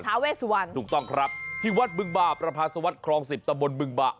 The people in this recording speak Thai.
เวสวรรณถูกต้องครับที่วัดบึงบาประพาสวัสดิครองสิบตะบนบึงบะ